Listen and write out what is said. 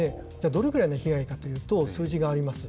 どれぐらいの被害かといいますと、数字があります。